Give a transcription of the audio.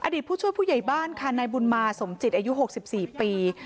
ผู้ช่วยผู้ใหญ่บ้านค่ะนายบุญมาสมจิตอายุ๖๔ปี